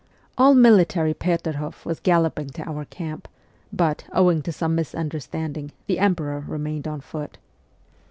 All military Peterhof was galloping to our camp r but, owing to some misunder standing, the emperor remained on foot.